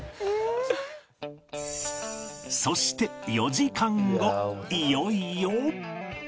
そして４時間後いよいよ